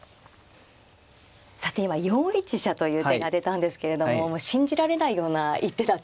さて今４一飛車という手が出たんですけれども信じられないような一手だと。